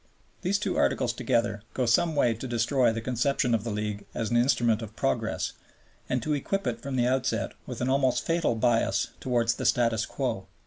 These two Articles together go some way to destroy the conception of the League as an instrument of progress, and to equip it from the outset with an almost fatal bias towards the status quo.